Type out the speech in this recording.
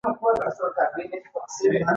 سهار د کایناتو ښکلا ده.